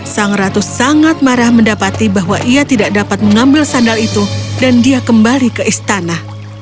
sang ratu sangat marah mendapati bahwa ia tidak dapat mengambil sandal itu dan dia kembali ke istana